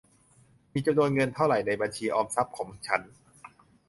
มีจำนวนเงินเท่าไหร ในบัญชีออมทรัพย์ของฉัน ?